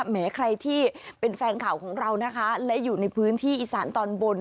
แม้ใครที่เป็นแฟนข่าวของเรานะคะและอยู่ในพื้นที่อีสานตอนบน